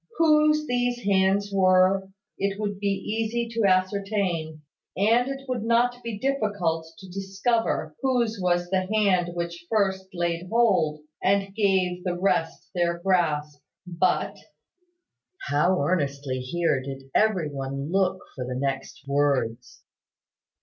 Whose these hands were, it would be easy to ascertain; and it would not be difficult to discover whose was the hand which first laid hold, and gave the rest their grasp. But " How earnestly here did every one look for the next words!